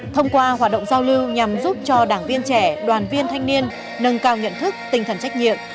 thông qua hoạt động giao lưu nhằm giúp cho đảng viên trẻ đoàn viên thanh niên nâng cao nhận thức tinh thần trách nhiệm